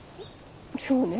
そうね。